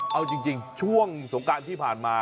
เอาจริงช่วงสงการที่ผ่านมา